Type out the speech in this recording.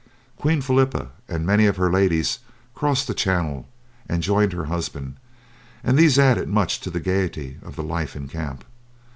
Queen Philippa and many of her ladies crossed the Channel and joined her husband, and these added much to the gaiety of the life in camp.